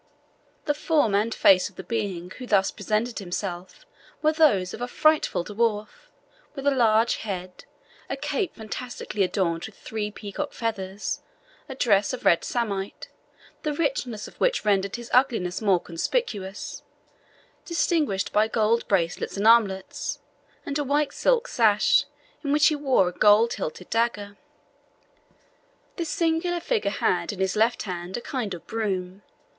The form and face of the being who thus presented himself were those of a frightful dwarf, with a large head, a cap fantastically adorned with three peacock feathers, a dress of red samite, the richness of which rendered his ugliness more conspicuous, distinguished by gold bracelets and armlets, and a white silk sash, in which he wore a gold hilted dagger. This singular figure had in his left hand a kind of broom.